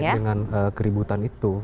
terkait dengan keributan itu